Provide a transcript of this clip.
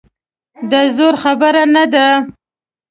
د زور خبره نه ده.